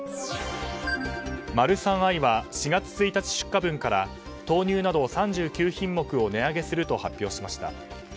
マルサンアイは４月１日出荷分から豆乳など３９品目を値上げすると発表しました。